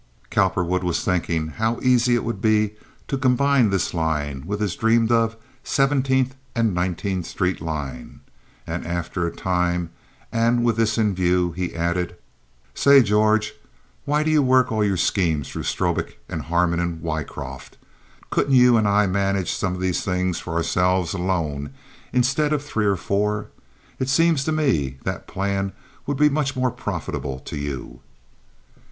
Cowperwood was thinking how easy it would be to combine this line with his dreamed of Seventeenth and Nineteenth Street line, and after a time and with this in view he added: "Say, George, why do you work all your schemes through Strobik and Harmon and Wycroft? Couldn't you and I manage some of these things for ourselves alone instead of for three or four? It seems to me that plan would be much more profitable to you."